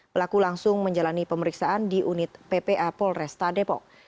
pelaku langsung menjalani pemeriksaan di unit ppa polresta depok